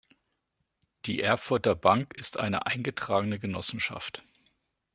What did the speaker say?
Die Erfurter Bank ist eine eingetragene Genossenschaft.